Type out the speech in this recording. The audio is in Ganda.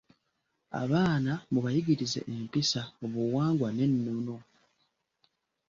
Abaana mubayigirize empisa, obuwangwa n’ennono.